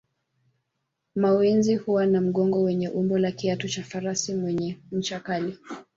Mawenzi huwa na mgongo wenye umbo la kiatu cha farasi mwenye ncha kali